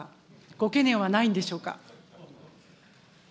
ご懸念はないんでしょうか。